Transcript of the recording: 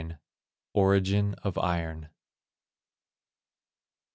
ORIGIN OF IRON.